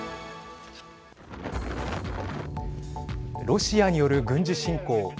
ロシアによる軍事侵攻。